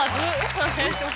お願いします。